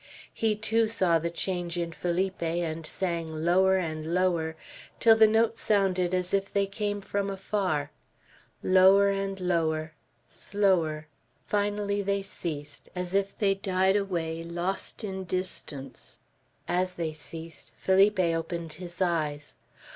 He, too, saw the change in Felipe, and sang lower and lower, till the notes sounded as if they came from afar; lower and lower, slower; finally they ceased, as if they died away lost in distance. As they ceased, Felipe opened his eyes.